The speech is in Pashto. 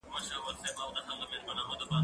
زه به سبا اوبه پاکوم،